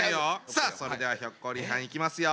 さあそれではひょっこりはんいきますよ。